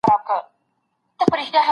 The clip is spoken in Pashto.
د ښار جوړوني وزارت نوي پلانونه تطبیقول.